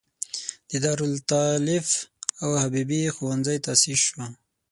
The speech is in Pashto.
د دارالتالیف او حبیبې ښوونځی تاسیس شول.